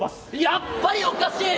やっぱりおかしい！